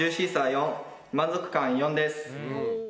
４「満足感」４です。